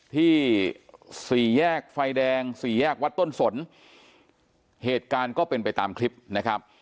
สี่แยกไฟแดงสี่แยกวัดต้นสนเหตุการณ์ก็เป็นไปตามคลิปนะครับ